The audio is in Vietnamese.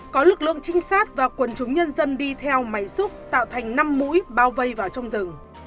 có lực lượng trinh sát và quần chúng nhân dân đi theo máy xúc tạo thành năm mũi bao vây vào trong rừng